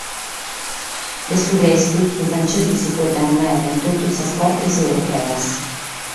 De su restu, su frantzesu si faeddaiat meda in totu sas cortes europeas.